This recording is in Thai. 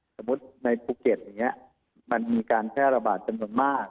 สมมุติในภูเก็ตอย่างนี้มันมีการแพร่ระบาดจำนวนมาก